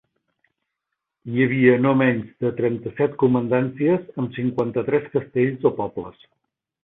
Hi havia no menys de trenta-set comandàncies, amb cinquanta-tres castells o pobles.